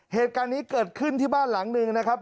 เหตุการณ์นี้เกิดขึ้นที่บ้านหลังหนึ่งนะครับ